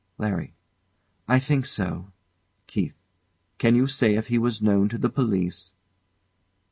LARRY. I think so. KEITH. Can you say if he was known to the police?